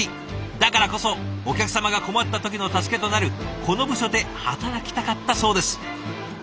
だからこそお客様が困った時の助けとなるこの部署で働きたかったそうです。